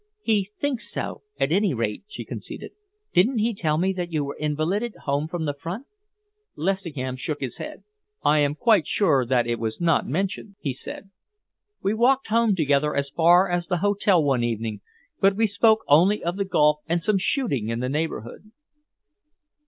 "He thinks so, at any rate," she conceded. "Didn't he tell me that you were invalided home from the front?" Lessingham shook his head. "I am quite sure that it was not mentioned," he said. "We walked home together as far as the hotel one evening, but we spoke only of the golf and some shooting in the neighbourhood."